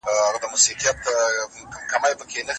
اشنا.